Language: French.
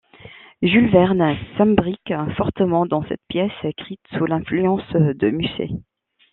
Jules Verne s'imbrique fortement dans cette pièce écrite sous l'influence de Musset.